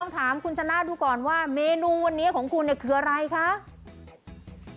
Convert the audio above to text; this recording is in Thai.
ถามคุณชนะดูก่อนว่าเมนูวันนี้ของคุณเนี่ยคืออะไรคะ